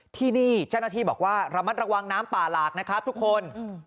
ที่นี่เจ้าหน้าที่บอกว่าระมัดระวังน้ำป่าหลากนะครับทุกคน